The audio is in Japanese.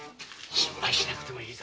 心配しなくていい。